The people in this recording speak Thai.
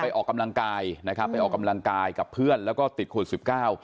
ออกกำลังกายนะครับไปออกกำลังกายกับเพื่อนแล้วก็ติดโควิดสิบเก้า